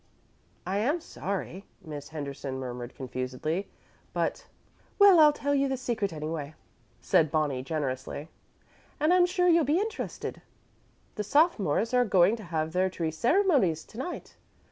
"I am sorry," Miss Henderson murmured confusedly, "but " "We'll tell you the secret anyway," said Bonnie, generously, "and I'm sure you'll be interested. The sophomores are going to have their tree ceremonies to night!"